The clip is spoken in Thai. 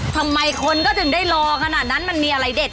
ทำไมคนก็ถึงได้รอขนาดนั้นมันมีอะไรเด็ด